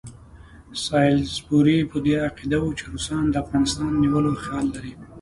سالیزبوري په دې عقیده وو چې روسان د افغانستان نیولو خیال لري.